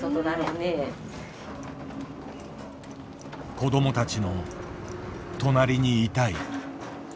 子どもたちの隣にいたい。